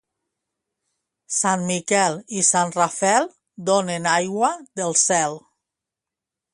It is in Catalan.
Sant Miquel i Sant Rafel donen aigua del cel.